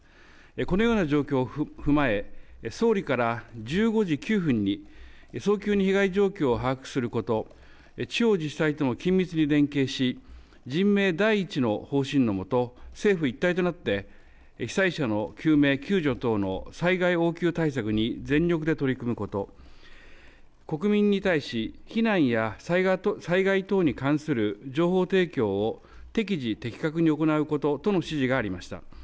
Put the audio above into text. このような状況を踏まえ総理から１５時９分に早急に被害状況を把握すること、地方自治体と緊密に連携し人命第一の方針のもと政府一体となって被災者の救命救助等の災害応急対策に全力で取り組むこと、国民に対し避難や災害等に関する情報提供を適時的確に行うこととの指示がありました。